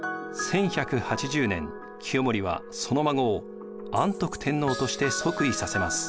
１１８０年清盛はその孫を安徳天皇として即位させます。